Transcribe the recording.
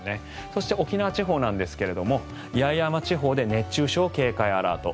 そして、沖縄地方なんですが八重山地方で熱中症警戒アラート